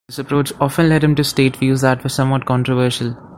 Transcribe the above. This approach often led him to state views that were somewhat controversial.